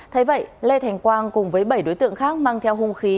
thế vậy lê thành quang cùng với bảy đối tượng khác mang theo hung khí